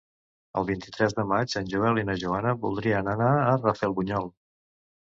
El vint-i-tres de maig en Joel i na Joana voldrien anar a Rafelbunyol.